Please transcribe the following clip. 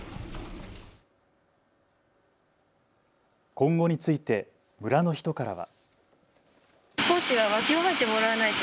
今後について村の人からは。